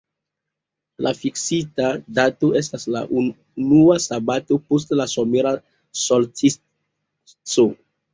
La fiksita dato estas la unua sabato post la somera solstico.